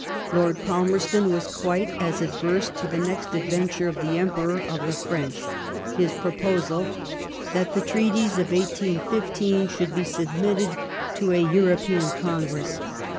Lord Palmerston was quite as adverse to the next adventure of the Emperor of the French, his proposal that the treaties of 1815 should be submitted to a European Congress.